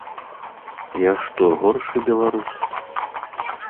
Я што, горшы беларус?